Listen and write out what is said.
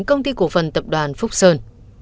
công ty cổ phần tập đoàn phúc sơn